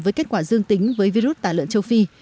với kết quả dương tính với virus tả lợn châu phi